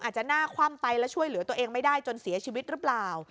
หน้าคว่ำไปแล้วช่วยเหลือตัวเองไม่ได้จนเสียชีวิตหรือเปล่า